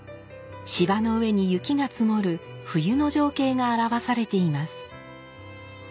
柴の上に雪が積もる冬の情景が表されています。